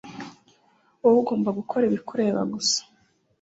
wowe ugomba gukora ibikureba gusa